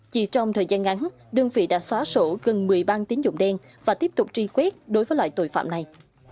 chỉ trong thời gian ngắn đơn vị đã xóa sổ gần một mươi bang tín dụng đen và tiếp tục truy quét đối với loại tội phạm này